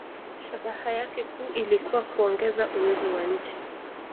Shabaha yake kuu ilikuwa kuongeza uwezo wa nchi.